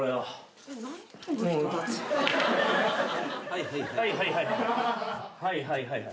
はいはいはいはい。